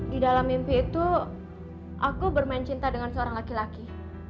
di dalam mimpi itu aku bermain cinta dengan seorang laki laki